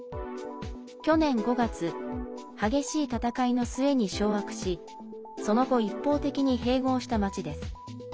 去年５月激しい戦いの末に掌握しその後、一方的に併合した町です。